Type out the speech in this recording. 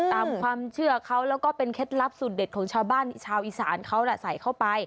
ตามความเชื่อเขาแล้วก็เป็นเคล็ดลับสูตรเด็ดของชาวบ้านชาวอีสานเขาใส่เข้าไป